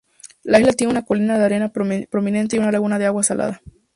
La isla tiene una colina de arena prominente y una laguna de agua salada.